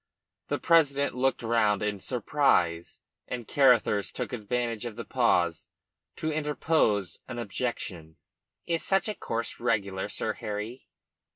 The president looked round in surprise, and Carruthers took advantage of the pause to interpose an objection. "Is such a course regular, Sir Harry?"